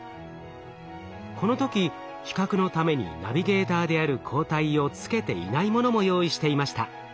この時比較のためにナビゲーターである抗体をつけていないものも用意していました。